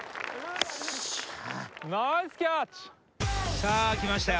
さあきましたよ。